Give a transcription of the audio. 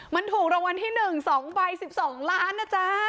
มันถูกรางวัลที่๑๒ใบ๑๒ล้านนะจ๊ะ